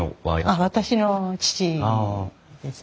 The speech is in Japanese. あっ私の父ですね。